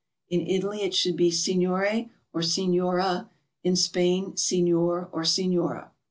In Italy it should be "Signore" or "Signora"; in Spain, "Senor" or "Senora."